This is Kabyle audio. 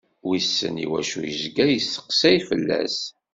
Wissen i wacu i yezga yesteqsay-s fell-am.